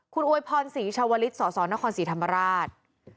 คุณโอยพรสีชาวลิสสรสอนคอนสีธรรมราช